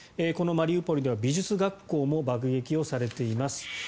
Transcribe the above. このマリウポリでは美術学校も爆撃されています。